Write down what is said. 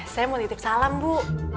saya mau titik salam bu